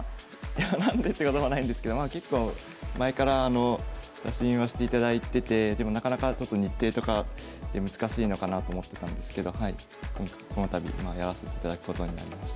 いや何でってこともないんですけど結構前から打診はしていただいててでもなかなかちょっと日程とかで難しいのかなと思ってたんですけどこの度まあやらせていただくことになりました。